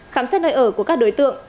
khám xét nơi ở của các đối tượng